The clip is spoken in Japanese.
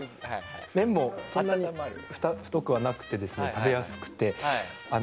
麺もそんなに太くはなくて食べやすくて。